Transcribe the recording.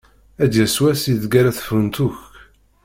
Ad d-yas wass ideg ara frunt akk.